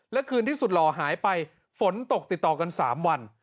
และคืนที่สุดหล่อหายไปฝนตกติดต่อกัน๓วัน